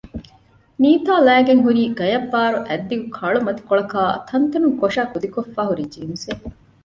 ނީތާ ލައިގެން ހުރީ ގަޔަށްބާރު އަތްދިގު ކަޅު މަތިކޮޅަކާއި ތަންތަނުން ކޮށައި ކުދިކޮށްފައި ހުރި ޖިންސެއް